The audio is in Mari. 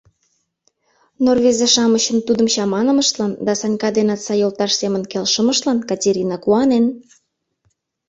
Но рвезе-шамычын тудым чаманымыштлан да Санька денат сай йолташ семын келшымыштлан Катерина куанен.